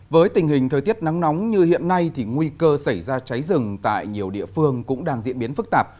với tình hình thời tiết nắng nóng như hiện nay thì nguy cơ xảy ra cháy rừng tại nhiều địa phương cũng đang diễn biến phức tạp